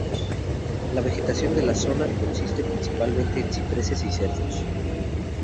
La vegetación de la zona consiste principalmente en cipreses y cedros.